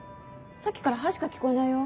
さっきから「はい」しか聞こえないよ？